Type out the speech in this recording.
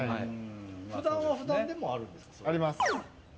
普段は普段でもあるんですか。